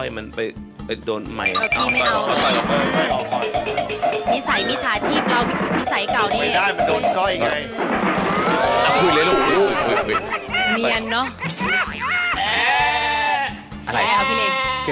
ไม่ควรจะบอก